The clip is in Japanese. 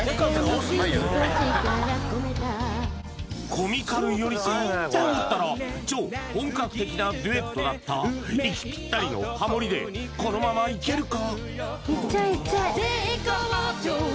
コミカル寄りかと思ったら超本格的なデュエットだった息ピッタリのハモリでこのままいけるか？